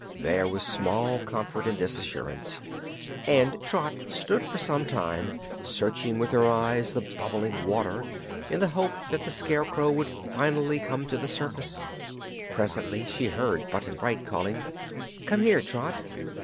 There was small comfort in this assurance and Trot stood for some time searching with her eyes the bubbling water, in the hope that the Scarecrow would finally come to the surface. Presently she heard Button Bright calling: "Come here, Trot!"